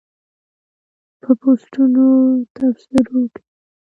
په پوسټونو تبصرو کې